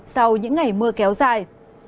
sau những ngày mưa kéo dài